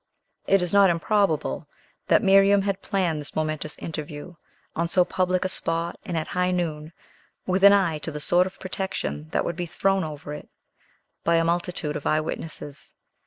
It is not improbable that Miriam had planned this momentous interview, on so public a spot and at high noon, with an eye to the sort of protection that would be thrown over it by a multitude of eye witnesses.